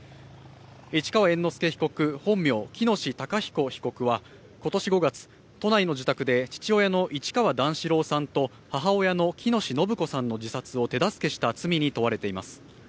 市川猿之助被告、本名・喜熨斗孝彦被告は今年５月、都内の自宅で父親の市川段四郎さんと母親の喜熨斗延子さんの自殺を手助けした罪に問われています。